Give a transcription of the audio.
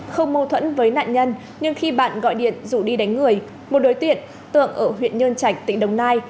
không mâu thuẫn với nạn nhân nhưng khi bạn gọi điện rủ đi đánh người một đối tượng tượng ở huyện nhơn trạch tỉnh đồng nai